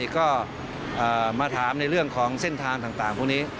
ก็มาถามในเรื่องของเส้นทางต่างพวกนี้